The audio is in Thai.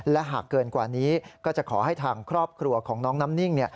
และหากเกินกว่านี้ก็จะขอให้ทางครอบครัวของน้องน้ำนิ่ง